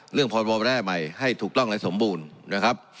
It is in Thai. เรื่องพลวงแร่ใหม่ให้ถูกต้องและสมบูรณ์